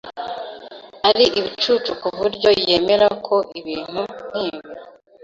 Ari ibicucu kuburyo yemera ko ibintu nkibi?